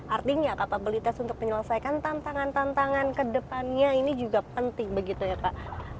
artinya kapabilitas untuk menyelesaikan tantangan tantangan kedepannya ini juga penting begitu ya pak